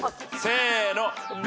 せの。